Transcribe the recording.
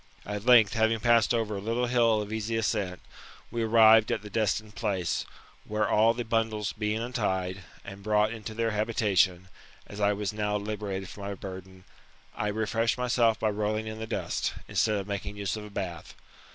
At length, having passed over a little hill of easy ascent, we arrived at the destined place, where all the bundles being untied, and brought into their habitation, as I was now liberated from my burden, I refreshed myself by rolling in the dust, instead of making use of a bath.